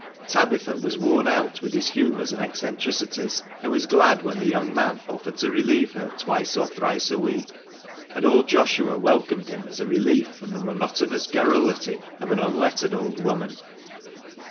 Tabitha was worn out with his humours and eccentricities, and was glad when the young man offered to relieve her twice or thrice a week ; and old Joshua welcomed him as a relief from the monotonous garrulity of an unlettered old woman.